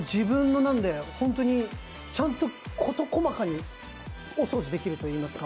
ちゃんと事細かにお掃除できるといいますか。